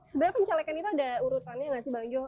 sebenarnya pencalekan itu ada urutannya nggak sih bang jo